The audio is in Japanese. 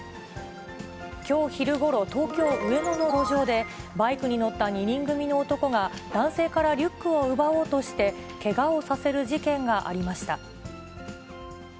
きょう昼ごろ、東京・上野の路上でバイクに乗った２人組の男が、男性からリュックを奪おうとして、けがをさせる事件がありました。